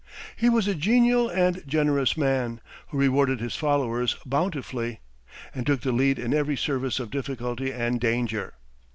He was a genial and generous man, who rewarded his followers bountifully, and took the lead in every service of difficulty and danger.